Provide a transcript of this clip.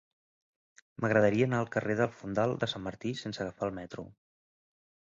M'agradaria anar al carrer del Fondal de Sant Martí sense agafar el metro.